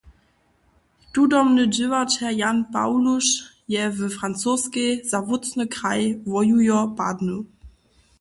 Tudomny dźěłaćer Jan Pawluš je w Francoskej za wótcny kraj wojujo padnył.